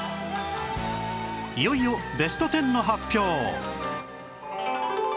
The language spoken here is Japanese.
いよいよベスト１０の発表